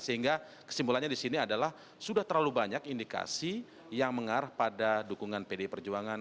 sehingga kesimpulannya di sini adalah sudah terlalu banyak indikasi yang mengarah pada dukungan pdi perjuangan